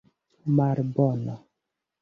Malbeno!